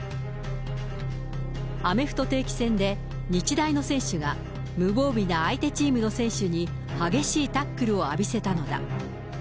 アメフト定期戦で日大の選手が無防備な相手チームの選手に、激しいタックルを浴びせたのだ。